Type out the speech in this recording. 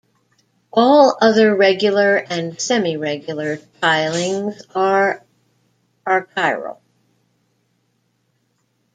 All other regular and semiregular tilings are achiral.